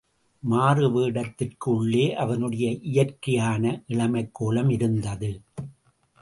மாறுவேடத்திற்கு உள்ளே அவனுடைய இயற்கையான இளமைக் கோலம் இருந்தது.